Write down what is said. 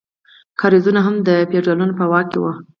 کاریزونه هم د فیوډالانو په واک کې وو.